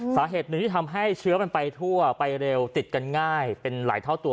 สาเหตุหนึ่งที่ทำให้เชื้อมันไปทั่วไปเร็วติดกันง่ายเป็นหลายเท่าตัว